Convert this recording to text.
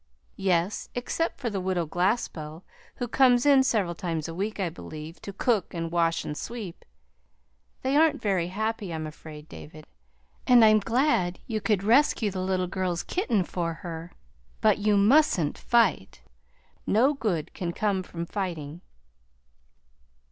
"Yes, except for the Widow Glaspell, who comes in several times a week, I believe, to cook and wash and sweep. They aren't very happy, I'm afraid, David, and I'm glad you could rescue the little girl's kitten for her but you mustn't fight. No good can come of fighting!"